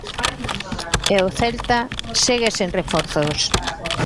E o Celta segue sen reforzos.